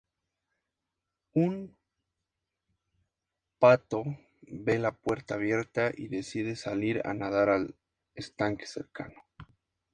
Un pato ve la puerta abierta y decide salir a nadar al estanque cercano.